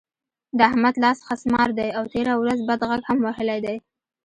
د احمد لاس خسمار دی؛ او تېره ورځ بد غږ هم وهلی دی.